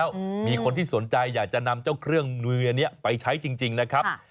เราสั่งจองไว้แล้วมีคนที่สนใจอยากจะนำเจ้าเครื่องมือนี้ไปใช้จริงนะครับ